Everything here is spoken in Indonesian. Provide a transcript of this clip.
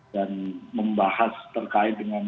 dan membahas terkait dengan